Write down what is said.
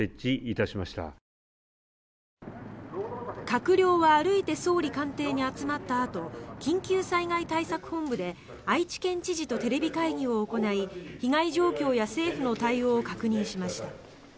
閣僚は歩いて総理官邸に集まったあと緊急災害対策本部で愛知県知事とテレビ会議を行い被害状況や政府の対応を確認しました。